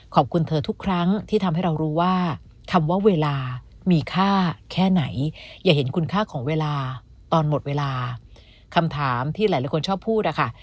คำถามที่หลายคนชอบพูดค่ะ